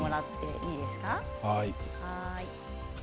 はい。